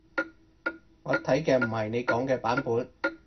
我睇嘅唔係你講嘅版本